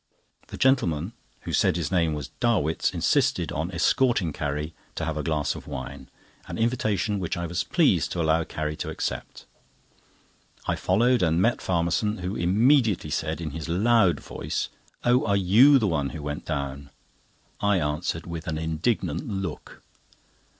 The gentleman, who said his name was Darwitts, insisted on escorting Carrie to have a glass of wine, an invitation which I was pleased to allow Carrie to accept. I followed, and met Farmerson, who immediately said, in his loud voice "Oh, are you the one who went down?" I answered with an indignant look.